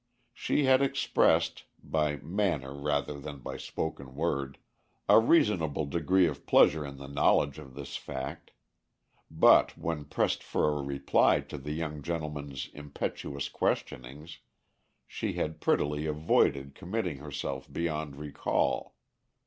She had expressed, by manner rather than by spoken word, a reasonable degree of pleasure in the knowledge of this fact; but when pressed for a reply to the young gentleman's impetuous questionings, she had prettily avoided committing herself beyond recall.